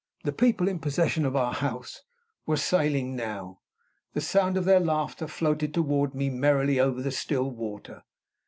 The people in possession of our house were sailing now. The sound of their laughter floated toward me merrily over the still water.